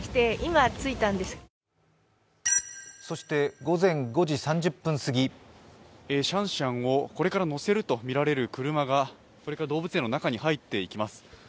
そして午前５時３０分すぎシャンシャンをこれから乗せるとみられる車がこれから動物園の中に入っていきます。